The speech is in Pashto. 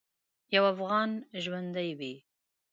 یو افغان ژوندی وي.